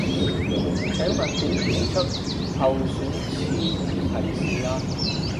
請問點調出候選詞提示啊